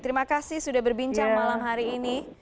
terima kasih sudah berbincang malam hari ini